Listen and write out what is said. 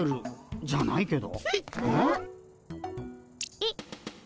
えっ？